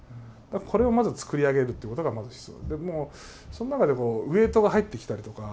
これをまず作り上げるってことが必要。